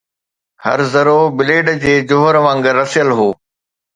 هر ذرو، بليڊ جي جوهر وانگر، رسيل هو